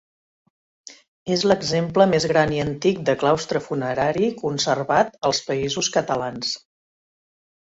És l'exemple més gran i antic de claustre funerari conservat als Països Catalans.